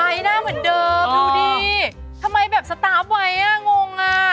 หน้าเหมือนเดิมดูดีทำไมแบบสตาร์ฟไว้อ่ะงงอ่ะ